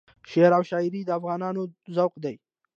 شعر او شایري د افغانانو ذوق دی.